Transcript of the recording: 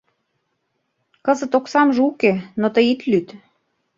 Кызыт оксамже уке, но тый ит лӱд.